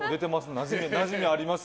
なじみあります。